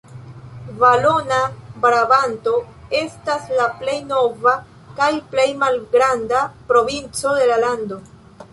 Valona Brabanto estas la plej nova kaj plej malgranda provinco de la lando.